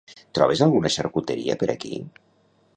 Trobes alguna xarcuteria per aquí?